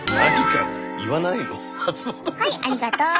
はいありがとう。